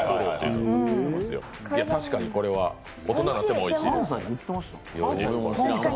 確かにこれは大人になってもおいしい。